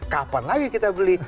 kapan lagi kita beli